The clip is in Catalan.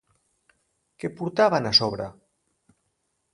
Què portaven a sobre?